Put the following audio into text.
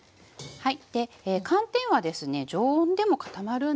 はい